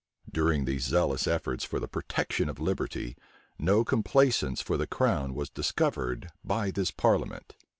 During these zealous efforts for the protection of liberty no complaisance for the crown was discovered by this parliament.